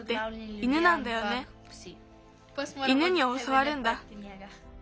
犬におそわるんだ。